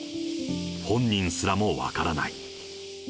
本人すらも分からない。